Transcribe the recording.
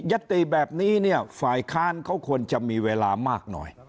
ติแบบนี้เนี่ยฝ่ายค้านเขาควรจะมีเวลามากหน่อย